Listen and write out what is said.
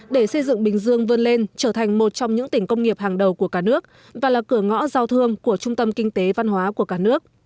để xây dựng bình dương vươn lên trở thành một trong những tỉnh công nghiệp hàng đầu của cả nước và là cửa ngõ giao thương của trung tâm kinh tế văn hóa của cả nước